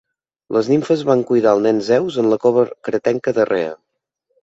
Les nimfes van cuidar al nen Zeus en la cova cretenca de Rhea.